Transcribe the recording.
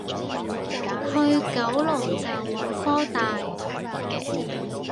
去九龍站揾科大